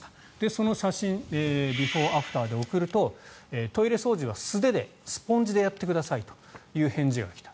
その写真ビフォーアフターで送るとトイレ掃除は素手でスポンジでやってくださいという返事が来た。